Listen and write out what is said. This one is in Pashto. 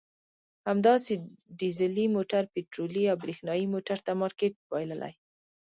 همداسې ډیزلي موټر پټرولي او برېښنایي موټر ته مارکېټ بایللی.